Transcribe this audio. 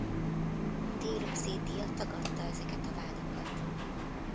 Dél-Oszétia tagadta ezeket a vádakat.